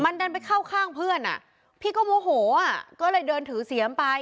มันดันไปเข้าข้างเพื่อนอ่ะพี่ก็โมโหอ่ะก็เลยเดินถือเสียมไป